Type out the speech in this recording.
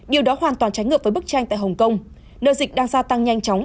điều đó hoàn toàn trái ngược với bức tranh tại hồng kông nơi dịch đang gia tăng nhanh chóng